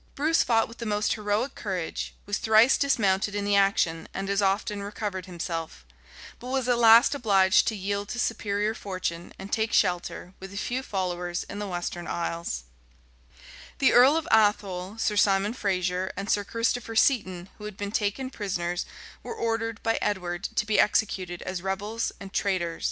[*] Bruce fought with the most heroic courage, was thrice dismounted in the action, and as often recovered himself; but was at last obliged to yield to superior fortune, and take shelter, with a few followers, in the Western Isles. The earl of Athole, Sir Simon Fraser, and Sir Christopher Seton, who had been taken prisoners, were ordered by Edward to be executed as rebels and traitors.[] * Walsing. p. 91. Heming. vol. i. p. 222, 223. Trivet, p. 344. Heming. vol. i.